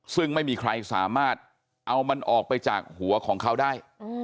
ซึ่งไม่มีใครสามารถเอามันออกไปจากหัวของเขาได้